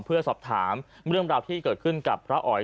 เพื่อสอบถามเรื่องราวที่เกิดขึ้นกับพระอ๋อย